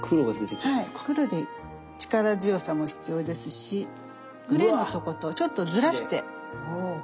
はい黒で力強さも必要ですしグレーのとことちょっとずらして。